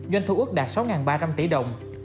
doanh thu ước đạt sáu ba trăm linh tỷ đồng